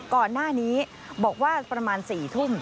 ก่อนหน้านี้บอกว่าประมาณ๔ทุ่ม